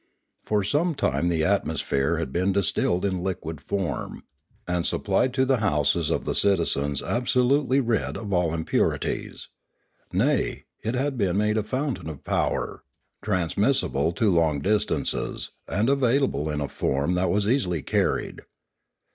For some time the atmosphere had been distilled in liquid form, and supplied to the houses of the citizens absolutely rid of all impurities. Nay, it had been made a fountain of power, transmissible to long distances, and available in a form that was easily carried.